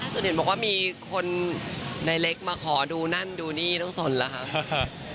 ส่วนเห็นบอกว่ามีคนในเล็กมาขอดูนั่นดูนี่ต้องสนแล้วครับ